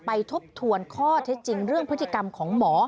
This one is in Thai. ทบทวนข้อเท็จจริงเรื่องพฤติกรรมของหมอ